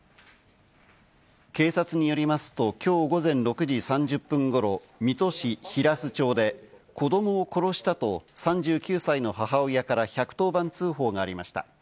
警察によりますと、きょう午前６時３０分ごろ、水戸市平須町で子どもを殺したと３９歳の母親から１１０番通報がありました。